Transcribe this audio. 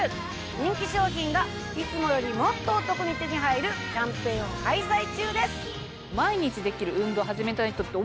人気商品がいつもよりもっとお得に手に入るキャンペーンを開催中です。